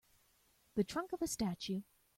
The trunk of a statue.